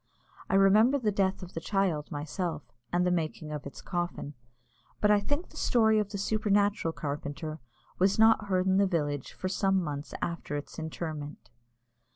I remember the death of the child myself, and the making of its coffin, but I think the story of the supernatural carpenter was not heard in the village for some months after its interment.